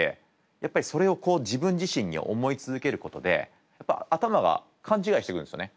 やっぱりそれをこう自分自身に思い続けることでやっぱ頭が勘違いしてくるんですよね。